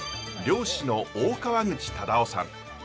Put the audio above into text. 猟師の大川口忠男さん。